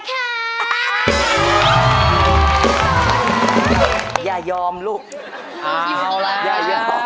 จ้าจ้า